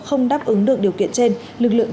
không đáp ứng được điều kiện trên lực lượng